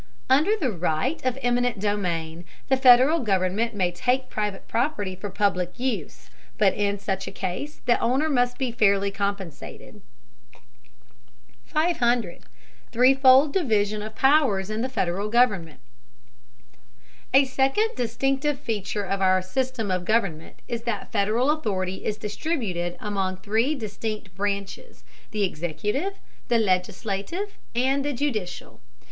Under the right of eminent domain, the Federal government may take private property for public use, but in such a case the owner must be fairly compensated. 500. THREEFOLD DIVISION OF POWERS IN THE FEDERAL GOVERNMENT. A second distinctive feature of our system of government is that Federal authority is distributed among three distinct branches: the executive, the legislative, and the judicial.